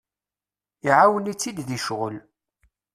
Iɛawen-itt-id deg ccɣel.